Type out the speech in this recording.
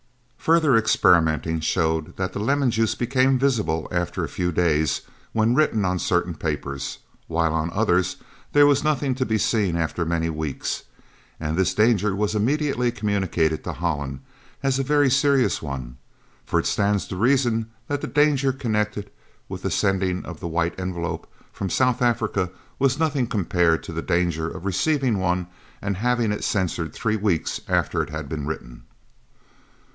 Further experimenting showed that the lemon juice became visible after a few days when written on certain papers, while on others there was nothing to be seen after many weeks, and this danger was immediately communicated to Holland as a very serious one, for it stands to reason that the danger connected with the sending of the White Envelope from South Africa was nothing compared to the danger of receiving one and having it censored three weeks after it had been written.